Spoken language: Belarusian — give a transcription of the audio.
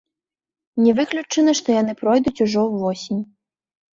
Не выключана, што яны пройдуць ужо ўвосень.